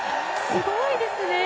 すごいですね！